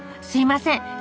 すいません。